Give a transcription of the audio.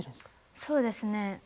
そうですね。